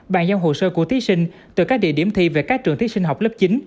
bàn giao hồ sơ của thí sinh từ các địa điểm thi về các trường thí sinh học lớp chín